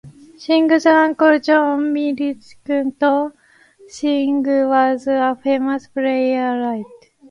Synge's uncle John Millington Synge was a famous playwright.